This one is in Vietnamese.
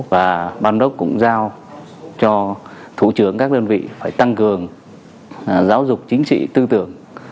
và ban đốc cũng giao cho thủ trưởng các đơn vị phải tăng cường giáo dục chính trị tư tưởng